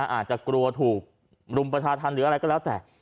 อาจจะกลัวถูกรุมประชาธรรมหรืออะไรก็แล้วแต่